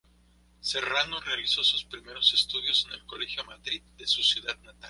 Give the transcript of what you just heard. Serrano realizó sus primeros estudios en el Colegio Madrid de su ciudad natal.